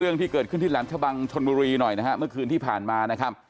เรื่องที่เกิดขึ้นที่แหลมชะบังชนบุรีหน่อยนะฮะเมื่อคืนที่ผ่านมานะครับ